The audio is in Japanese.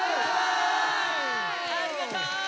ありがとう！